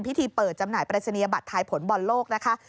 ปริศนียบัตรท้ายผลบ่อนโลกนะคะ